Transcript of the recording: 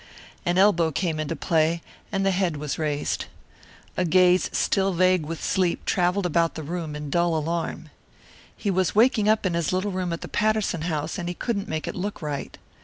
An elbow came into play, and the head was raised. A gaze still vague with sleep travelled about the room in dull alarm. He was waking up in his little room at the Patterson house and he couldn't make it look right.